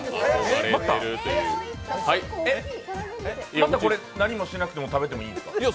またこれ、何もしなくても食べていいんですか？